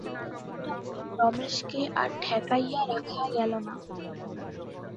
তখন রমেশকে আর ঠেকাইয়া রাখা গেল না।